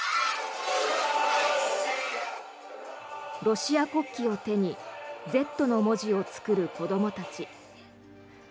ロシア国旗を手に「Ｚ」の文字を作る子どもたち。